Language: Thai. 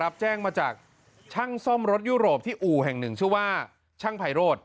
รับแจ้งมาจากช่างซ่อมรถยุโรปที่อู่แห่งหนึ่งชื่อว่าช่างไพโรธ